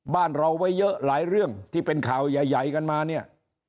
บ้านเราไว้เยอะหลายเรื่องที่เป็นข่าวใหญ่กันมาเนี่ย